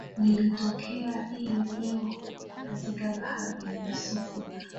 lililotokea hii leo katika bahari ya pacific